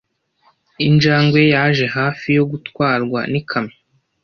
Injangwe yaje hafi yo gutwarwa n'ikamyo.